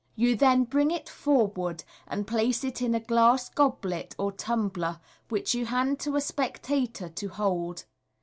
You then bring it forward, and place it in a glass goblet or tumbler, which you hand to a spectator to hold.